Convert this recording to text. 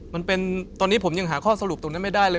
มันเป็นตอนนี้ผมยังหาข้อสรุปตรงนั้นไม่ได้เลย